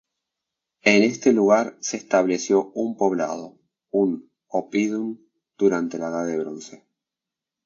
En este lugar se estableció un poblado, un "oppidum" durante la Edad del Bronce.